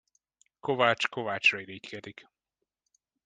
Kovács kovácsra irigykedik.